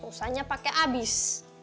rusanya pake abis